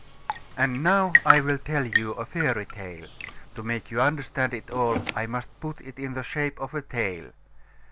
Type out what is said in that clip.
And now I will tell you a fairy tale: to make you understand it at all I must put it in the shape of a tale.